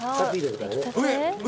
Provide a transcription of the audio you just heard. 上。